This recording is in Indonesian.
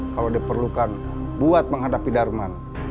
kalau diperlukan buat menghadapi darman